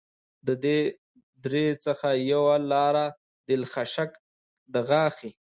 د دې درې څخه یوه لاره دلخشک دغاښي